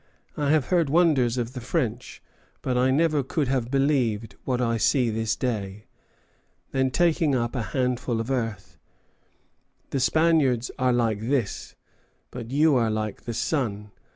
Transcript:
"I have heard wonders of the French, but I never could have believed what I see this day." Then, taking up a handful of earth, "The Spaniards are like this; but you are like the sun."